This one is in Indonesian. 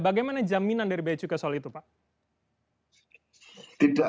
bagaimana jaminan dari beacukai soal itu pak